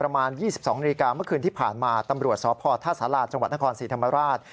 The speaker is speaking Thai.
เมื่อคืนที่ผ่านมาตำรวจสธาษาลาฯจังหวัดนครศรีธรรมราช